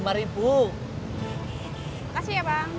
makasih ya bang